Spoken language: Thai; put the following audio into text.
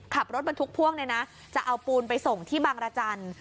ขับรถบรรทุกพ่วงเนี่ยนะจะเอาปูนไปส่งที่บางรจันทร์